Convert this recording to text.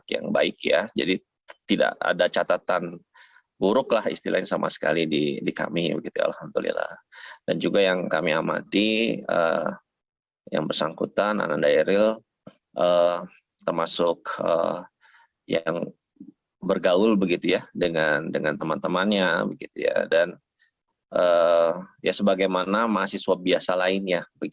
yang bergaul dengan teman temannya dan sebagaimana mahasiswa biasa lainnya